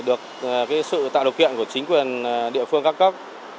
được cái sự tạo điều kiện của chính quyền địa phương cấp cấp